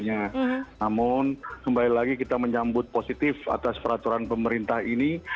namun kembali lagi kita menyambut positif atas peraturan pemerintah ini